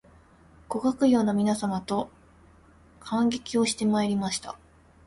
ご学友の皆様と観劇をしてまいりました